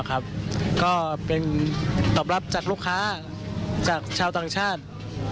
ก็เป็นตอบรับจากลูกค้าจากชาวต่างชาติ